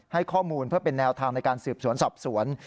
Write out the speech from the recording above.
ให้ข้อมูลเพื่อเป็นแนวทางในการสืบสวนสอบสวน